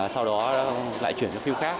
sau đó lại chuyển cho phim khác